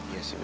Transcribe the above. iya sih be